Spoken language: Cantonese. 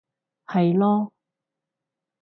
係囉